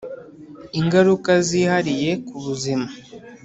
Ingaruka zihariye ku buzima